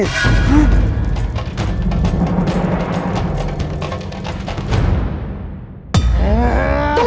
aku akan menanggungmu